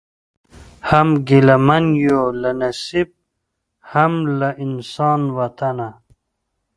هم ګیله من یو له نصیب هم له انسان وطنه